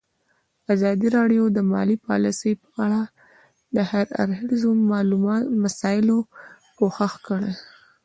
ازادي راډیو د مالي پالیسي په اړه د هر اړخیزو مسایلو پوښښ کړی.